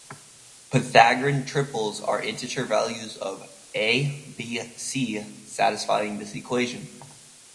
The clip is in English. Pythagorean triples are integer values of "a, b, c" satisfying this equation.